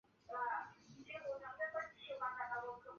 迪尔城堡现在被列入英格兰遗产加以保护。